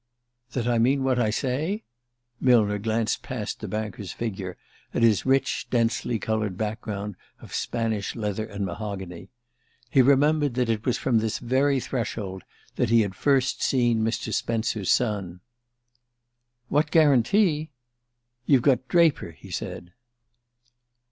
"That I mean what I say?" Millner glanced past the banker's figure at his rich densely coloured background of Spanish leather and mahogany. He remembered that it was from this very threshold that he had first seen Mr. Spence's son. "What guarantee? You've got Draper!" he said.